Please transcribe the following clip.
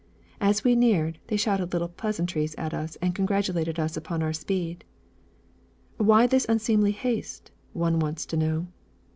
As we neared, they shouted little pleasantries at us and congratulated us upon our speed. 'Why this unseemly haste?' one wants to know.